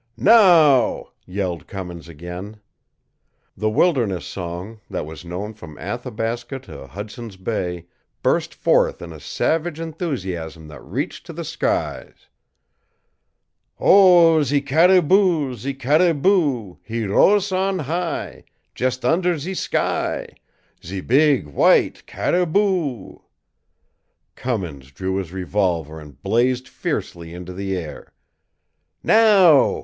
"Now!" yelled Cummins again. The wilderness song, that was known from Athabasca to Hudson's Bay, burst forth in a savage enthusiasm that reached to the skies: "Oh, ze cariboo oo oo, ze cariboo oo oo, He roas' on high, Jes' under ze sky, Ze beeg white cariboo oo oo!" Cummins drew his revolver and blazed fiercely into the air. "Now!"